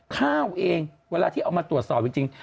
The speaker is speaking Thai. ข้าวเองเวลาที่เอามาตรวจสอบจริง